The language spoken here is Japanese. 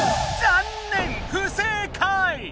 残念不正解！